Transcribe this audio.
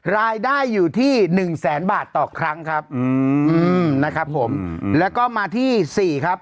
รายได้อยู่ที่หนึ่งแสนบาทต่อครั้งครับอืมนะครับผมแล้วก็มาที่สี่ครับ